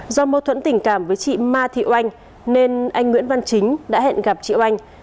do mâu thuẫn tình cảm với chị ma thị oanh nên anh nguyễn văn chính đã hẹn gặp chị oanh